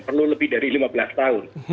perlu lebih dari lima belas tahun